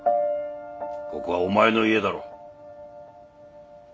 ここはお前の家だろう。